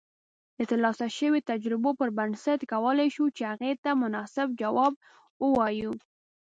د ترلاسه شويو تجربو پر بنسټ کولای شو چې هغې ته مناسب جواب اوایو